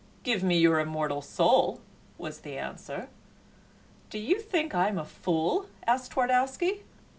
"Give me your immortal soul," was the answer. "Do you think I am a fool?" asked Twardowski.